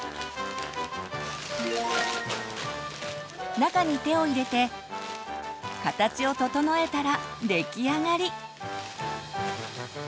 中に手を入れて形を整えたら出来上がり！